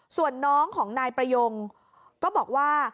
ส่วนน้องของนายประยงก็บอกว่า